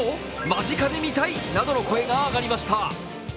間近で見たい！の声が上がりました。